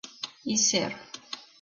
— Исер!